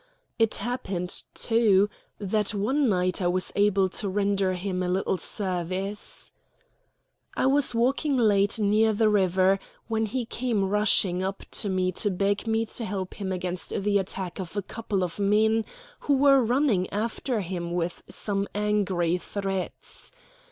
It happened, too, that one night I was able to render him a little service. I was walking late near the river when he came rushing up to me to beg me to help him against the attack of a couple of men who were running after him with some angry threats.